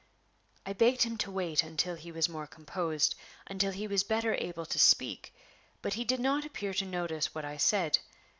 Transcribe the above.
I begged him to wait until he was more composed, until he was better able to speak; but he did not appear to notice what I said.